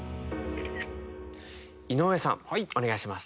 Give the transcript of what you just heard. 井上さんお願いします。